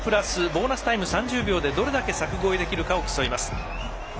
ボーナスタイム３０秒でどれだけ柵越えできるかを競います。